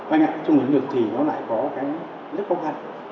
anh ạ trong nguyên liệu thì nó lại có cái rất khó khăn